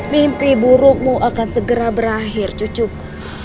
mimpi burukmu akan segera berakhir cucuku